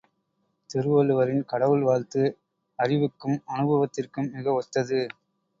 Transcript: திருவள்ளுவரின் கடவுள் வாழ்த்து, அறிவுக்கும் அனுபவத்திற்கும் மிக ஒத்தது.